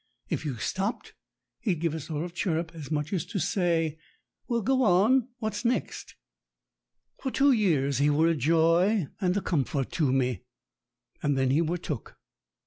If you stopped, he'd give a sort of chirrup, as much as to say, "Well, go on. What next?" For two years he were a joy and a comfort to me, and then he were took.